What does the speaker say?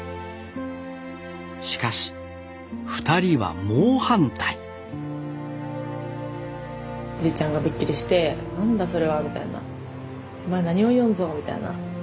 しかし２人は猛反対じいちゃんがびっくりして何だそれはみたいな。お前何を言いよんぞみたいな。